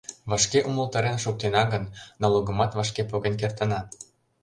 Вашке умылтарен шуктена гын, налогымат вашке поген кертына.